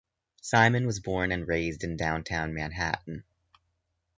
Simon was born and raised in Downtown Manhattan.